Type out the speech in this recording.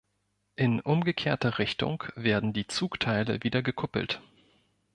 In umgekehrter Richtung werden die Zugteile wieder gekuppelt.